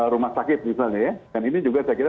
rumah sakit misalnya ya dan ini juga saya kira